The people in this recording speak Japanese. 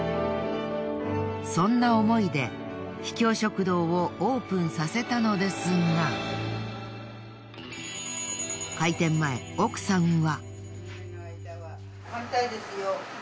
そんな思いで秘境食堂をオープンさせたのですが開店前奥さんは。